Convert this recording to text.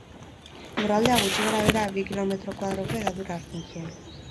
Lurraldeak, gutxi gorabehera, bi kilometro koadroko hedadura hartzen zuen.